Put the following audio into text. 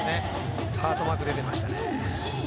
ハートマーク出てましたね。